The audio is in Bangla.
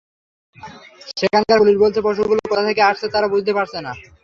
সেখানকার পুলিশ বলছে, পশুগুলো কোথা থেকে আসছে তাঁরা বুঝতে পারছেন না।